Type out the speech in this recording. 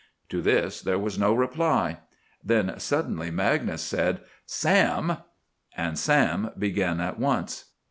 To this there was no reply. Then suddenly Magnus said, "Sam!" And Sam began at once.